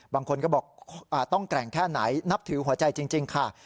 บางคนก็บอกต้องแกร่งแค่ไหนนับถือหัวใจจริงค่ะ